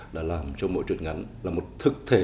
đã làm cho mỗi chuyện ngắn là một thức thể